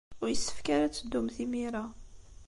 Ur yessefk ara ad teddumt imir-a.